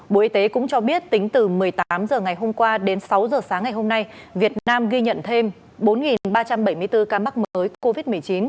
bộ y tế cũng cho biết tính từ một mươi tám h ngày hôm qua đến sáu h sáng ngày hôm nay việt nam ghi nhận thêm bốn ba trăm bảy mươi bốn ca mắc mới covid một mươi chín